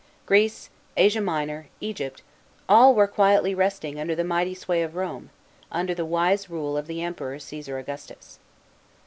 Greece, Asia Minor, Egypt all were quietly resting under the mighty sway of Rome, under the wise rule of the Emperor Cresar Augustus.